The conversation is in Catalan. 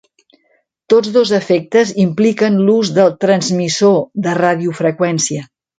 Tots dos efectes impliquen l'ús del transmissor de radiofreqüència.